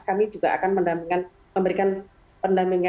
kami juga akan memberikan pendampingan